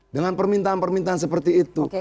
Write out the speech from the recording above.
dengan permintaan permintaan seperti itu